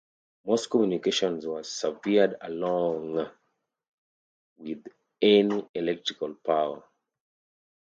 Most communications were severed along with any electrical power.